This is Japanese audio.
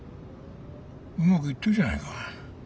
うまくいってるじゃないか。